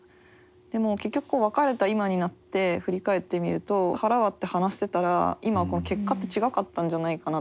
でも結局別れた今になって振り返ってみると腹割って話してたら今結果って違かったんじゃないかなって。